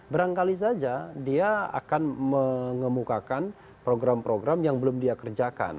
berangkali saja dia akan mengemukakan program program yang belum dia kerjakan